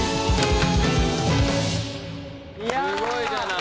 すごいじゃない。